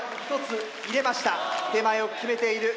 手前を決めている。